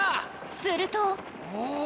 するとお！